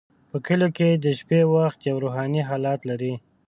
په کلیو کې د شپې وخت یو روحاني حالت لري.